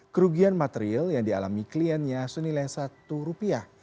kerugian material yang dialami kliennya senilai satu rupiah